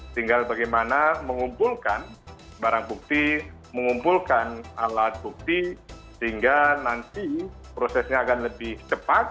tinggal bagaimana mengumpulkan barang bukti mengumpulkan alat bukti sehingga nanti prosesnya akan lebih cepat